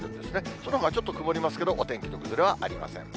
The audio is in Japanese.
そのほかちょっと曇りますけど、お天気の崩れはありません。